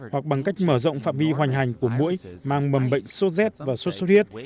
hoặc bằng cách mở rộng phạm vi hoành hành của mũi mang mầm bệnh suốt z và suốt suốt huyết